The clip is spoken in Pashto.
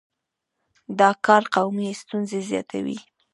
دا کار قومي ستونزې زیاتوي.